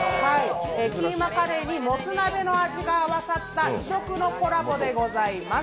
キーマカレーにもつ鍋の味が合わさった異色のコラボでございます。